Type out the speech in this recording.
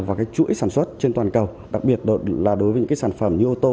và cái chuỗi sản xuất trên toàn cầu đặc biệt là đối với những cái sản phẩm như ô tô